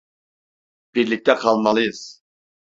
Birlikte kalmalıyız.